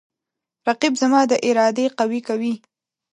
رقیب زما د ارادې قوی کوي